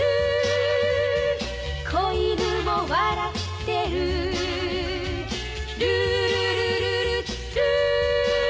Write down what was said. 「小犬も笑ってる」「ルールルルルルー」